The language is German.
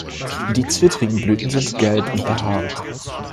Die zwittrigen Blüten sind gelb und behaart.